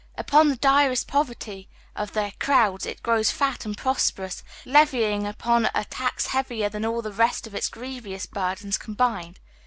Upon the direst poverty of their crowds it grows fat and prosperous, levying upon it a tax heavier than all the rest of its grievous burdens com bined.